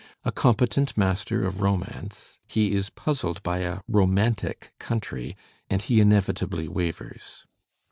A competent master of romance, he is puzzled by a "romantic" country and he inevitably wavers.